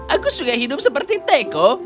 aku suka hidup seperti teko